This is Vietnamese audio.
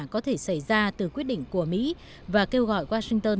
có thể xảy ra từ quyết định của mỹ và kêu gọi washington